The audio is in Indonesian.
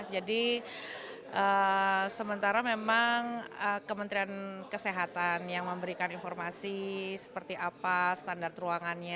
jadi sementara memang kementerian kesehatan yang memberikan informasi seperti apa standar ruangan